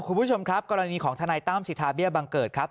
คุณผู้ชมครับกรณีของทนายตั้มสิทธาเบี้ยบังเกิดครับ